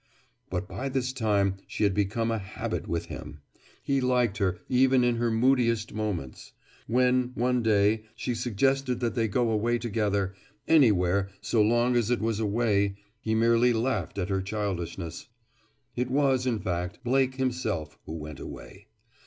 But by this time she had become a habit with him. He liked her even in her moodiest moments. When, one day, she suggested that they go away together, anywhere so long as it was away, he merely laughed at her childishness. It was, in fact, Blake himself who went away.